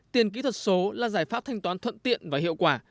tiền kỹ thuật số là giải pháp thanh toán thuận tiện và hiệu quả